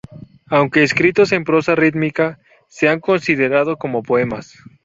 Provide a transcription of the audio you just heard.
Aunque escritos en prosa rítmica, se han considerado como poemas.